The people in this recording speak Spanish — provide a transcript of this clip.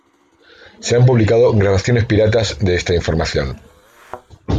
Se han publicado grabaciones piratas de esta formación.